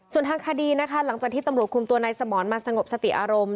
ส่วนทางคดีนะคะหลังจากที่ตำรวจคุมตัวนายสมรมาสงบสติอารมณ์